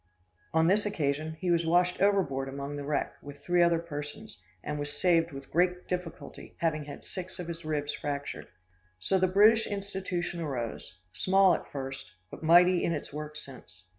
On this occasion he was washed overboard among the wreck, with three other persons, and was saved with great difficulty, having had six of his ribs fractured." So the British institution arose, small at first, but mighty in its work since.